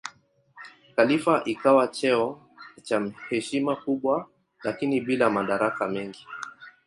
Khalifa ikawa cheo cha heshima kubwa lakini bila madaraka mengi.